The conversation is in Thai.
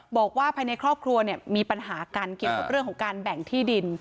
บอกว่าภายในครอบครัวเนี่ยมีปัญหากันเกี่ยวกับเรื่องของการแบ่งที่ดิน